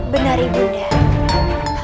benar ibu udah